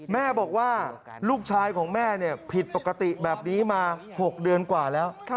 แม่บอกว่าลูกชายของแม่ผิดปกติแบบนี้มา๖เดือนกว่าแล้ว